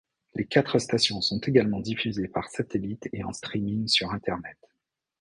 Les quatre stations sont également diffusées par satellite et en streaming sur internet.